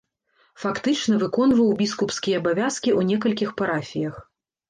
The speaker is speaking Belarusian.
Фактычна выконваў біскупскія абавязкі ў некалькіх парафіях.